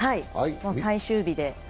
最終日で。